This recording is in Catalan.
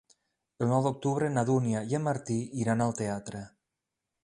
El nou d'octubre na Dúnia i en Martí iran al teatre.